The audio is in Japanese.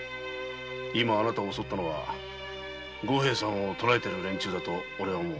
今あなたを襲ったのは五平さんを捕えている連中だと俺は思う。